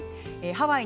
ハワイ